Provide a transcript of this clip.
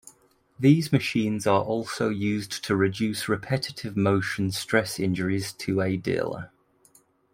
These machines are also used to reduce repetitive motion stress injuries to a dealer.